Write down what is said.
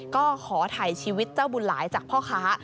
ก็ขอถ่ายชีวิตเจ้าบุญหลายจากพ่อค้า